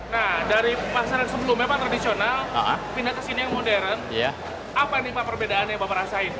nah dari pasar yang sebelum memang tradisional pindah ke sini yang modern apa nih pak perbedaannya yang bapak rasain